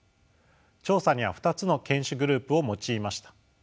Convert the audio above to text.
調査には２つの犬種グループを用いました。